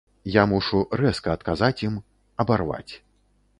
Я мушу рэзка адказаць ім, абарваць.